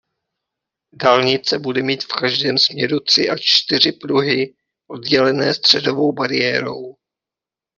Dálnice bude mít v každém směru tři až čtyři pruhy oddělené středovou bariérou.